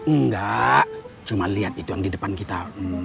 enggak cuma lihat itu yang di depan kita